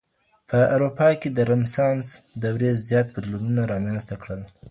په اروپا کي د رنسانس دورې زيات بدلونونه رامنځته کړل.